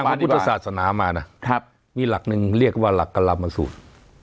ผมเรียนทางพระพุทธศาสนามานะมีหลักหนึ่งเรียกว่าหลักกรรมสูตร